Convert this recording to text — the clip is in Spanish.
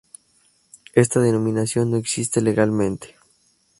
Esta denominación no existe legalmente.